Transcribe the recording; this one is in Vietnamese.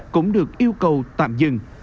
cũng được yêu cầu tạm dừng